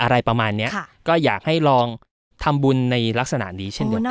อะไรประมาณนี้ก็อยากให้ลองทำบุญในลักษณะนี้เช่นเดียวกัน